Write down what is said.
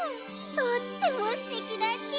とってもすてきだち。